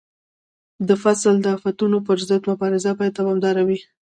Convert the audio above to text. د فصل د آفتونو پر ضد مبارزه باید دوامداره وي.